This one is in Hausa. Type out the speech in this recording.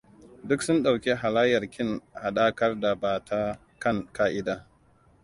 Duk sun ɗauki halayyar kin haɗakar da ba ta kan ƙa'ida.